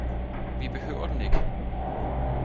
Vi behøver den ikke!